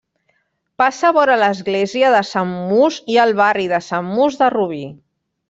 Passa vora l'església de Sant Muç i el barri de Sant Muç de Rubí.